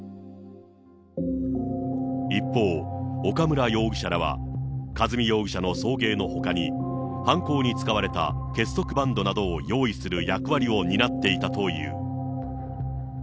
一方、岡村容疑者らは、和美容疑者の送迎のほかに、犯行に使われた結束バンドなどを用意する役割を担っていたという。